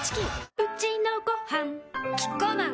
うちのごはんキッコーマン